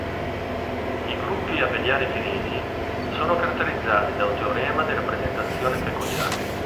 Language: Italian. I gruppi abeliani finiti sono caratterizzati da un teorema di rappresentazione peculiare.